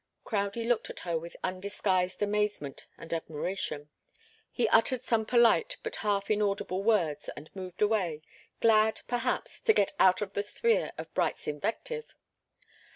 Crowdie looked at her with undisguised amazement and admiration. He uttered some polite but half inaudible words and moved away, glad, perhaps, to get out of the sphere of Bright's invective.